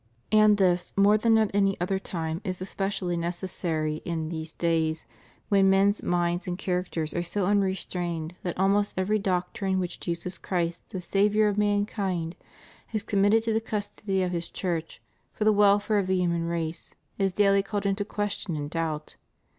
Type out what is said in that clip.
And this, more than at any other time, is especially necessary in these days, when men's minds and characters are so unrestrained that almost every doctrine which Jesus Christ, the Saviour of mankind, has committed to the custody of His Church, for the welfare of the human race, Is daily called into question and doubt.